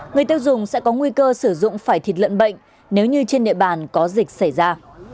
người tiêu dùng sẽ có nguy cơ sử dụng phải thịt lợn bệnh nếu như trên địa bàn có dịch xảy ra